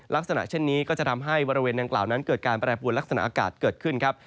ลักษณะเช่นนี้ก็จะทำให้บริเวณดังกล่าวนั้นเกิดการแปรปวนลักษณะอากาศเกิดขึ้นครับ